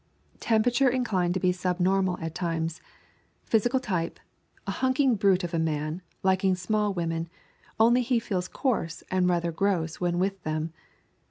Temperature inclined to be sub normal at times. Physical type, a hulking brute of a man, liking small women, only he feels coarse and rather gross when with them.